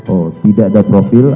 oh tidak ada profil